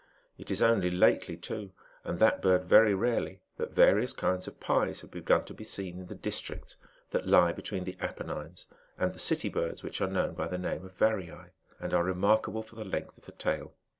It is only lately too, and that bi very rarely, that various kinds of pies have begun to be see in the districts that lie between the Apennines and the City birds which are known by the name of " variae,"^ and are n markable for the length of the tail.